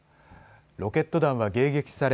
ロケット弾は迎撃され